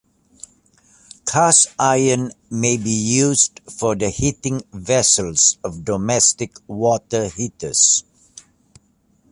Cast iron may be used for the heating vessel of domestic water heaters.